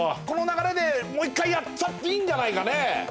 この流れでもう一回やっちゃっていいんじゃないかね